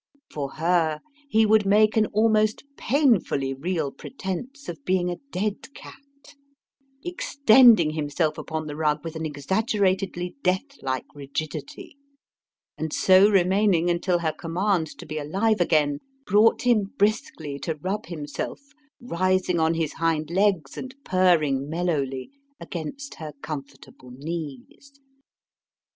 For her, he would make an almost painfully real pretence of being a dead cat: extending himself upon the rug with an exaggeratedly death like rigidity and so remaining until her command to be alive again brought him briskly to rub himself, rising on his hind legs and purring mellowly, against her comfortable knees.